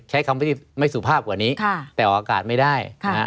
ใช้คำไม่ได้ไม่สุภาพกว่านี้แต่ออกอากาศไม่ได้